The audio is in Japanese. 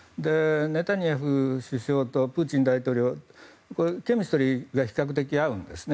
ネタニヤフ首相とプーチン大統領ケミストリーが非常に合うんですね。